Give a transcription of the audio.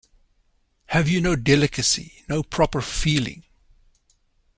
Have you no delicacy, no proper feeling?